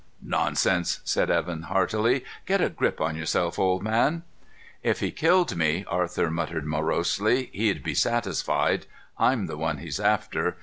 "Nonsense," said Evan heartily. "Get a grip on yourself, old man." "If he killed me," Arthur muttered morosely, "he'd be satisfied. I'm the one he's after.